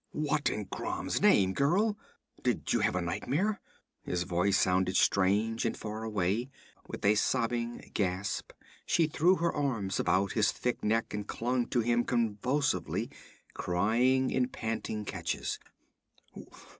'What in Crom's name, girl? Did you have a nightmare?' His voice sounded strange and far away. With a sobbing gasp she threw her arms about his thick neck and clung to him convulsively, crying in panting catches.